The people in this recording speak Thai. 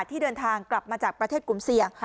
ที่เดินทางกลับมาจากประเทศกลุ่มเสี่ยง